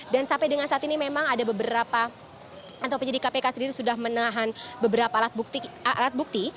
dan sampai dengan saat ini memang ada beberapa atau jadi kpk sendiri sudah menahan beberapa alat bukti